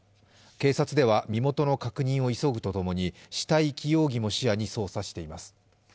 警察では身元の確認を急ぐとともに死体遺棄容疑も視野に捜査しています。